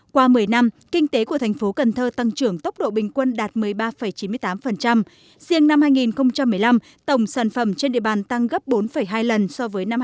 qua một mươi năm kinh tế của thành phố cần thơ tăng trưởng tốc độ bình quân đạt một mươi ba chín mươi tám riêng năm hai nghìn một mươi năm tổng sản phẩm trên địa bàn tăng gấp bốn hai lần so với năm hai nghìn một mươi